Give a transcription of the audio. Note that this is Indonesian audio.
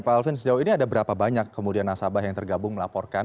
pak alvin sejauh ini ada berapa banyak kemudian nasabah yang tergabung melaporkan